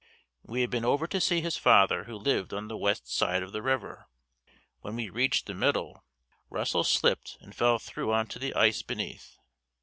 We had been over to see his father who lived on the west side of the river. When we had reached the middle, Russell slipped and fell through onto the ice beneath.